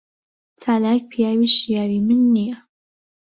چالاک پیاوی شیاوی من نییە.